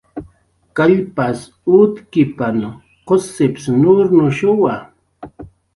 Kallps utkipanch gusp nurnuchwa